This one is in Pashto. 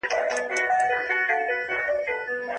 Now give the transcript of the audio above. که زده کوونکی درس ثبت کړي، معلومات نه هېریږي.